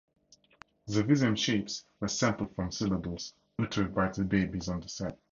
The viseme shapes were sampled from syllables uttered by the babies on the set.